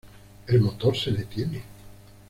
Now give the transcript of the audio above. El motor se detiene.